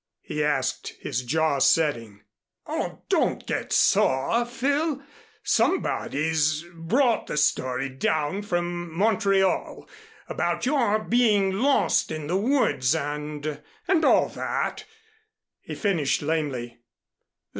he asked, his jaw setting. "Oh, don't get sore, Phil. Somebody's brought the story down from Montreal about your being lost in the woods and and all that," he finished lamely.